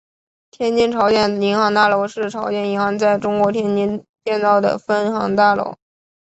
天津朝鲜银行大楼是朝鲜银行在中国天津建造的分行大楼。